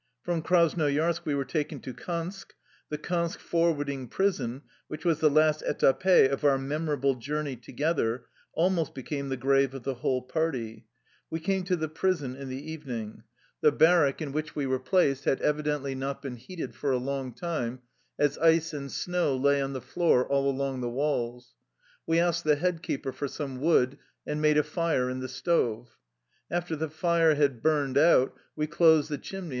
From Krasnoyarsk we were taken to Kansk. The Kansk forwarding prison, which was the last etape of our memorable journey together, al most became the grave of the whole party. We came to the prison in the evening. The barrack 95 THE LIFE STOEY OF A KUSSIAN EXILE in which we were placed had evidently not been heated for a long time, as ice and snow lay on the floor all along the walls. We asked the head keeper for some wood, and made a fire in the stove. After the fire had burned out, we 'closed the chimney